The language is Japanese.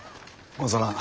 ござらん。